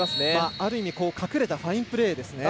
ある意味隠れたファインプレーですね。